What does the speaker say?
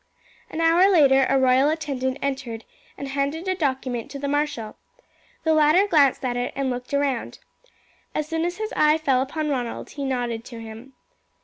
An hour later a royal attendant entered and handed a document to the marshal. The latter glanced at it and looked around. As soon as his eye fell upon Ronald he nodded to him.